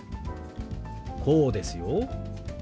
こうですよ。